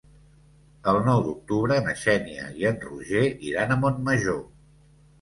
El nou d'octubre na Xènia i en Roger iran a Montmajor.